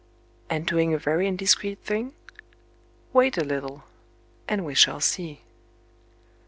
And doing a very indiscreet thing? Wait a little and we shall see.